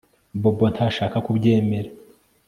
Bobo ntashaka kubyemera